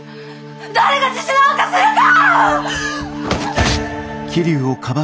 誰が自首なんかするか！